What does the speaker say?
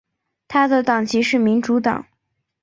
他的党籍是民主党。